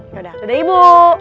yaudah dadah ibu